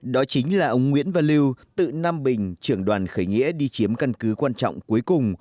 đó chính là ông nguyễn văn lưu tự nam bình trưởng đoàn khởi nghĩa đi chiếm căn cứ quan trọng cuối cùng